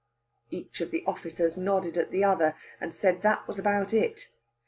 Each of the officers nodded at the other, and said that was about it.